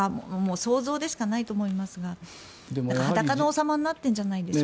想像でしかないと思いますが裸の王様になってるんじゃないですか？